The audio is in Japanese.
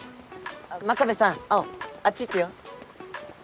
真壁さん青あっち行くよ。